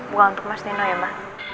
bukan untuk mas nino ya ma